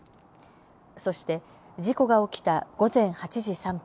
そして、事故が起きた午前８時３分。